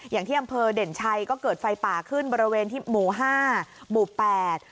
อย่างที่อำเภอเด่นชัยก็เกิดไฟป่าขึ้นบริเวณที่หมู่ห้าหมู่แปด